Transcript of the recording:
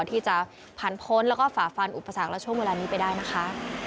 ที่จะผ่านพ้นแล้วก็ฝ่าฟันอุปสรรคและช่วงเวลานี้ไปได้นะคะ